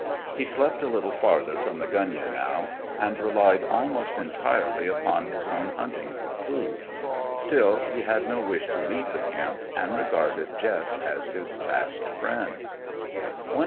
He slept a little farther from the gunyah now, and relied almost entirely upon his own hunting for food. Still, he had no wish to leave the camp, and regarded Jess as his fast friend.